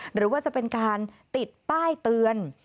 หรือว่าจะเป็นการติดป้ายเตือน